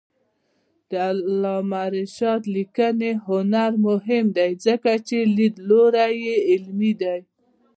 د علامه رشاد لیکنی هنر مهم دی ځکه چې لیدلوری علمي دی.